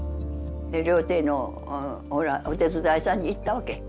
料亭のお手伝いさんにいったわけ。